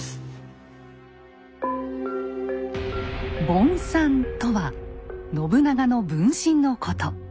「盆山」とは信長の分身のこと。